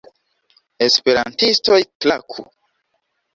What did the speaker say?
Esperantistoj klaku!